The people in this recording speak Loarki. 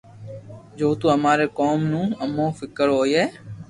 جو تو اماري قوم نو امون فڪر ھوئي